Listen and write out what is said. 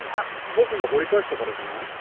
僕が掘り返したからじゃない？